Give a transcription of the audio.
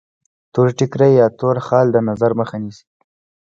تور ټیکری یا تور خال د نظر مخه نیسي.